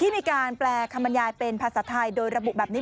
มีการแปลคำบรรยายเป็นภาษาไทยโดยระบุแบบนี้